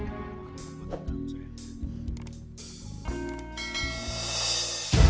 mereka udah gak ada